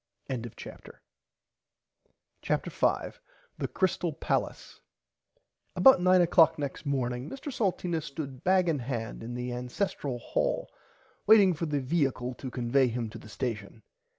[Pg 45] CHAPTER 5 THE CRYSTAL PALACE About 9 oclock next morning Mr Salteena stood bag in hand in the ancestle hall waiting for the viacle to convay him to the station.